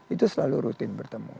itu selalu rutin bertemu